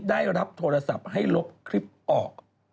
ได้รับโทรศัพท์ให้ลบคลิปออก